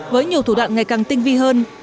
với nhiều thủ đoạn ngày càng tinh vi hơn